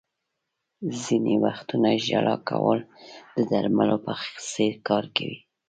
• ځینې وختونه ژړا کول د درملو په څېر کار کوي.